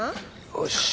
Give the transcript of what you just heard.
よし！